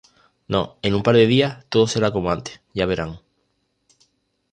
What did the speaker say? No, en un par de días, todo será como antes. Ya verán.